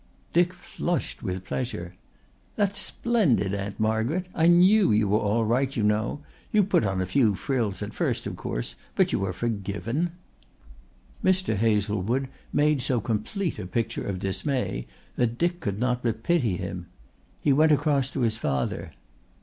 Dick flushed with pleasure. "That's splendid, Aunt Margaret. I knew you were all right, you know. You put on a few frills at first, of course, but you are forgiven." Mr. Hazlewood made so complete a picture of dismay that Dick could not but pity him. He went across to his father.